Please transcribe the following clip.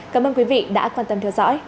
cảm ơn quý vị đã quan tâm theo dõi